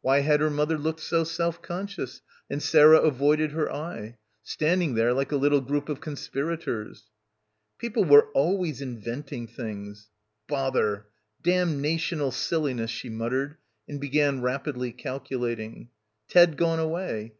Why had her mother looked so self conscious and Sarah avoided her eye ... standing there like a little group of conspirators? People were always inventing things. "Bother — damnational silliness," she muttered, and began rapidly calculating. Ted gone away.